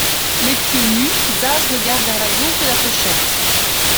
Les pieds nus, Zaz regarde vers la gauche de la pochette.